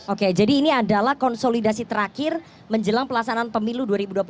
oke jadi ini adalah konsolidasi terakhir menjelang pelaksanaan pemilu dua ribu dua puluh empat